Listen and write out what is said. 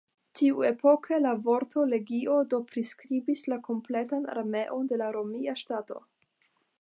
Tiuepoke la vorto "legio" do priskribis la kompletan armeon de la romia ŝtato.